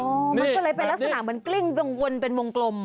มันก็เลยเป็นลักษณะเหมือนกลิ้งกังวลเป็นวงกลม